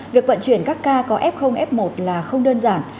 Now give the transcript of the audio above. việc vận chuyển các k có f f một là không đơn giản